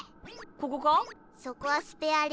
ここか？